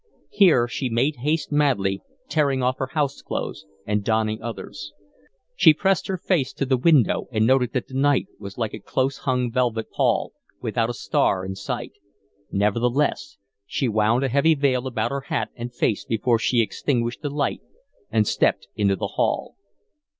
Here she made haste madly, tearing off her house clothes and donning others. She pressed her face to the window and noted that the night was like a close hung velvet pall, without a star in sight. Nevertheless, she wound a heavy veil about her hat and face before she extinguished the light and stepped into the hall.